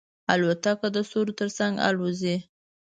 الوتکه د ستورو تر څنګ الوزي.